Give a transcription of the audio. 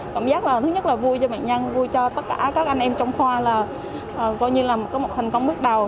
cảm giác là thứ nhất là vui cho bệnh nhân vui cho tất cả các anh em trong khoa là coi như là một thành công bước đầu